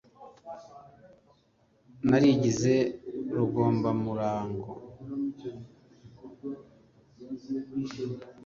narigize rugombamurango